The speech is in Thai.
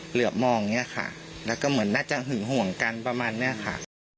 เหลือบมองอย่างนี้ค่ะแล้วก็เหมือนน่าจะหึงห่วงกันประมาณเนี้ยค่ะ